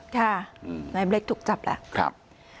ค่ะอืมนายเบรคถูกจับล่ะครับ